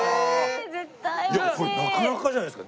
いやこれなかなかじゃないですか？